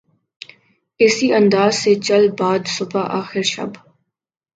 اسی انداز سے چل باد صبا آخر شب